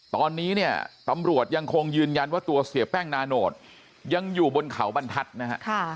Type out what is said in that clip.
ตอนนี้เนี่ยตำรวจยังคงยืนยันว่าตัวเสียแป้งนาโนตยังอยู่บนเขาบรรทัศน์นะฮะ